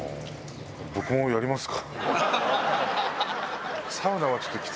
僕もやりますか！